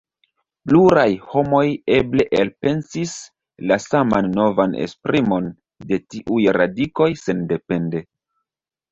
Pluraj homoj eble elpensis la saman novan esprimon de tiuj radikoj sendepende.